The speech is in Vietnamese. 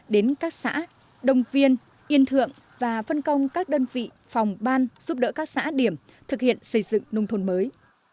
đến các xã đồng viên yên thượng và phân công các đơn vị phòng ban giúp đỡ các xã điểm thực hiện xây dựng nông thôn mới